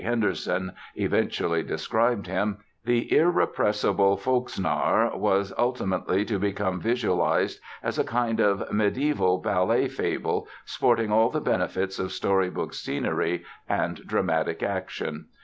Henderson eventually described him, the irrepressible "Volksnarr" was ultimately to become visualized as a kind of medieval ballet fable sporting all the benefits of story book scenery and dramatic action.